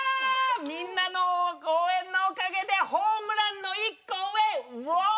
みんなの応援のおかげでホームランの一個上ウオームラン！